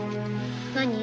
何？